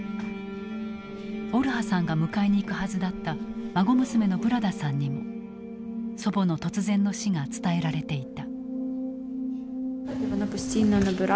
オルハさんが迎えに行くはずだった孫娘のブラダさんにも祖母の突然の死が伝えられていた。